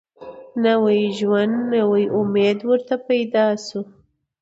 نوی ژوند نوی امید ورته پیدا سو